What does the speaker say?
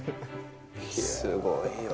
すごいわ。